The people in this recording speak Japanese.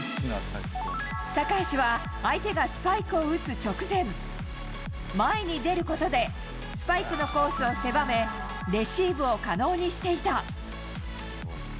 高橋は、相手がスパイクを打つ直前、前に出ることで、スパイクのコースを狭め、レシーブを可能にしていた。